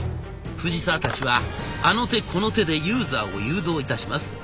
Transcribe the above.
藤沢たちはあの手この手でユーザーを誘導いたします。